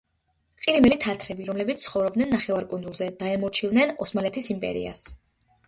ყირიმელი თათრები, რომლებიც ცხოვრობდნენ ნახევარკუნძულზე, დაემორჩილნენ ოსმალეთის იმპერიას.